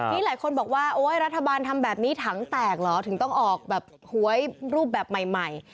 นี่หลายคนบอกว่าโอ๊ยรัฐบาลทำแบบนี้ถังแตกเหรอถึงต้องออกแบบหวยรูปแบบใหม่